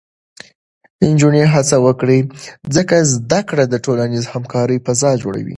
نجونې هڅه وکړي، ځکه زده کړه د ټولنیزې همکارۍ فضا جوړوي.